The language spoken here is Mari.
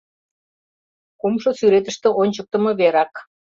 Кумшо сӱретыште ончыктымо верак.